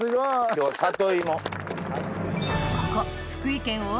今日里芋。